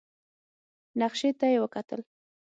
نخشې ته يې وکتل.